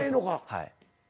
はい。